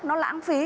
nó lãng phí